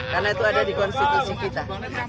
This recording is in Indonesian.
karena itu ada di konstitusi kita